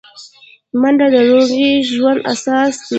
منډه د روغ ژوند اساس ده